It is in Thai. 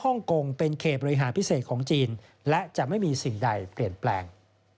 ฮ่องกงเป็นเขตบริหารพิเศษของจีนและจะไม่มีสิ่งใดเปลี่ยนแปลง